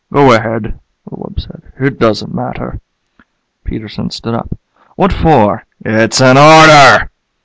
"Go ahead," the wub said. "It doesn't matter." Peterson stood up. "What for?" "It's an order."